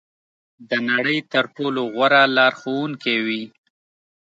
د نړۍ تر ټولو غوره لارښوونکې وي.